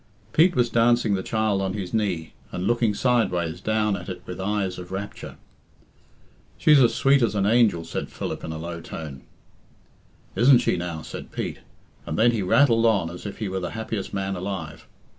Pete was dancing the child on his knee and looking sideways down at it with eyes of rapture. "She's as sweet as an angel," said Philip in a low tone. "Isn't she now?" said Pete, and then he rattled on as if he were the happiest man alive.